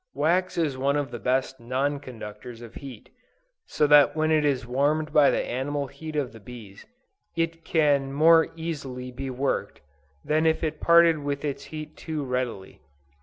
Wax is one of the best non conductors of heat, so that when it is warmed by the animal heat of the bees, it can more easily be worked, than if it parted with its heat too readily.